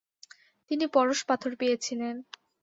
তিনি পরশ পাথর পেয়েছিলেন।